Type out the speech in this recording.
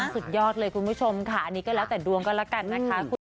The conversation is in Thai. สุดยอดเลยคุณผู้ชมค่ะอันนี้ก็แล้วแต่ดวงก็แล้วกันนะคะ